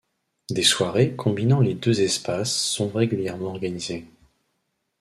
Des soirées combinant les deux espaces sont régulièrement organisées.